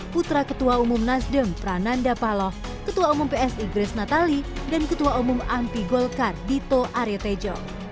putra ketua umum nasdem prananda paloh ketua umum psi grace natali dan ketua umum ampi golkar dito aryo tejo